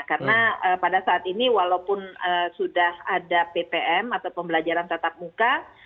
karena pada saat ini walaupun sudah ada ppm atau pembelajaran tetap muka